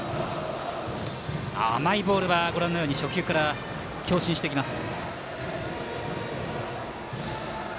甘いボールは初球から強振してきます。